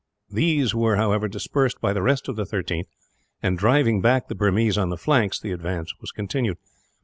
These were, however, dispersed by the rest of the 13th and, driving back the Burmese on the flanks, the advance was continued.